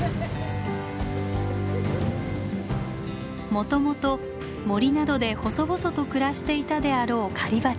もともと森などで細々と暮らしていたであろう狩りバチたち。